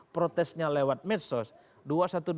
protesnya lewat medsos